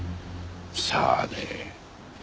さあね。